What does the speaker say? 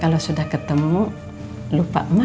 kalo gitu dede ke kamar dulu ya ma